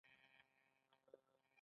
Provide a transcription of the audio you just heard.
موږ باید د هر فرد ذاتي کرامت تامین کړو.